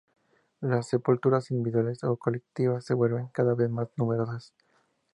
Las sepulturas, individuales o colectivas, se vuelven cada vez más numerosas.